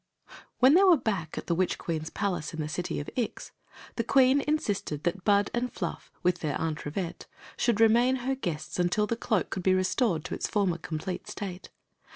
When they were back at the witch queen's palace in the city of Ix, the queen insisted that Bud and Flufii with their Aunt Rivette, diould remain her guests until the cloak could be restored to its former complete state.